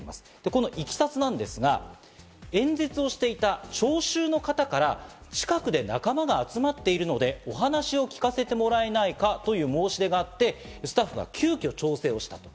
このいきさつなんですが、演説をしていた聴衆の方から近くで仲間が集まっているのでお話を聞かせてもらえないかという申し出があって、スタッフが急きょ調整をしたと。